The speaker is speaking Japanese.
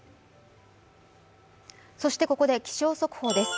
そしてここで気象速報です。